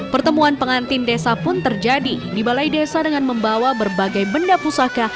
pertemuan pengantin desa pun terjadi di balai desa dengan membawa berbagai benda pusaka